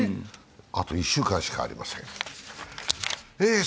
あと１週間しかありません。